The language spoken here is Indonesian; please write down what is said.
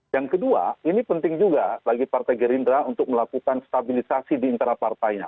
yang kedua ini penting juga bagi partai gerindra untuk melakukan stabilisasi di internal partainya